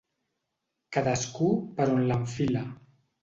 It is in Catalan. Cadascú per on l'enfila.